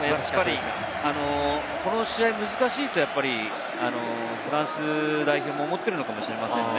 この試合、難しいとフランス代表、思っているのかもしれませんね。